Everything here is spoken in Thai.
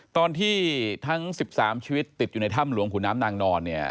ตอนที่ทั้ง๑๓ชีวิตติดอยู่ในถ้ำหลวงขุนน้ำนางนอนเนี่ย